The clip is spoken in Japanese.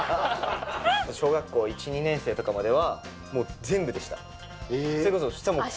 小学校１、２年生とかまでは、もう全部でした。